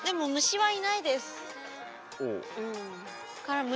はい！